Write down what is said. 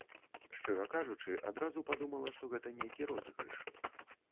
Шчыра кажучы, адразу падумала, што гэта нейкі розыгрыш.